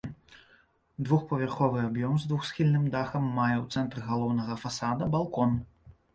Двухпавярховы аб'ём з двухсхільным дахам мае ў цэнтры галоўнага фасада балкон.